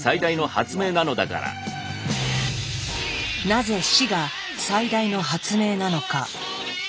なぜ死が最大の発明なのか。